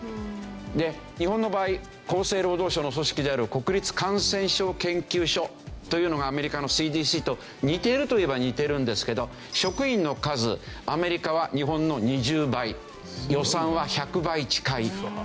で日本の場合厚生労働省の組織である国立感染症研究所というのがアメリカのＣＤＣと似てるといえば似てるんですけど職員の数アメリカは日本の２０倍予算は１００倍近いというわけですね。